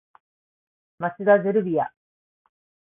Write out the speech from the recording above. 町田ゼルビア